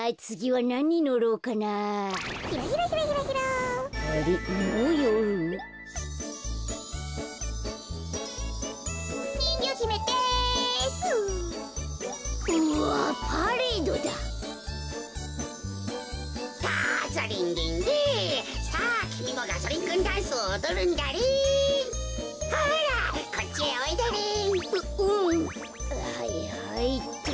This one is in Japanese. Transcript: はいはいっと。